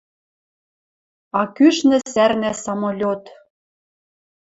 А кӱшнӹ сӓрнӓ самолет.